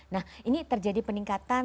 nah ini terjadi pendapatan